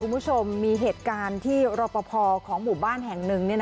คุณผู้ชมมีเหตุการณ์ที่รอปภของหมู่บ้านแห่งหนึ่ง